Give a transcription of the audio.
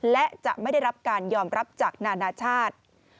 และจะไม่ได้รับการยอมรับจากนานาชาติ